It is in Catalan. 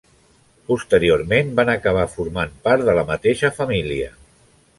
Posteriorment van acabar formant part de la mateixa família.